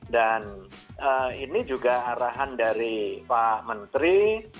dan ini juga arahan dari pak menteri